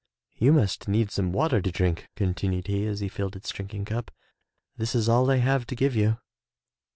"You must need some water to drink," continued he as he filled its drinking cup. "This is all I have to give you."